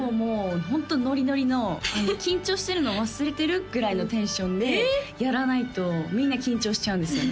ホントノリノリの緊張してるの忘れてる？ぐらいのテンションでやらないとみんな緊張しちゃうんですよね